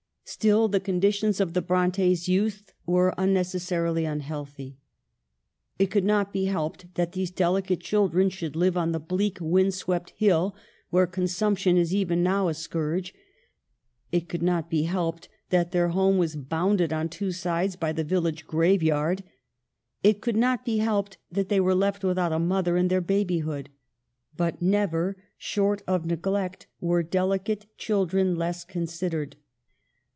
Still the conditions of BABYHOOD. 27 the Brontes' youth were unnecessarily unhealthy. It could not be helped that these delicate chil dren should live on the bleak wind swept hill where consumption is even now a scourge ; it could not be helped that their home was bounded on. two sides by the village graveyard ; it could not be helped that they were left without a mother in their babyhood ; but never, short of neglect, were delicate children less considered.